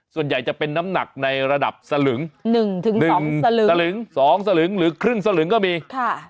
ส่วนใหญ่จะเป็นน้ำหนักในระดับสลึงหนึ่งถึงสองสลึงสลึงสองสลึงหรือครึ่งสลึงก็มีค่ะ